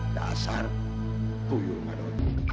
dasar puyul madu